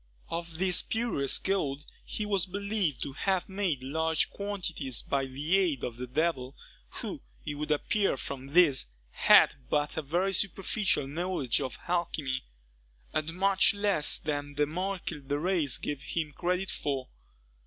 Of this spurious gold he was believed to have made large quantities by the aid of the devil, who, it would appear from this, had but a very superficial knowledge of alchymy, and much less than the Maréchal de Rays gave him credit for.